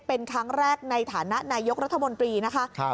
เป็นครั้งแรกในฐานะนายกรัฐมนตรีนะคะ